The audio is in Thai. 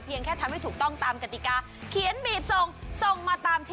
เพียงแค่ทำให้ถูกต้องตามกติกา